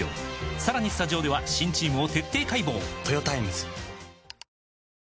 さらにスタジオでは新チームを徹底解剖！